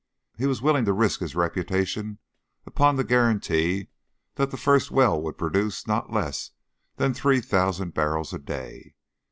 He was willing to risk his reputation upon the guaranty that the first well would produce not less than three thousand barrels a day.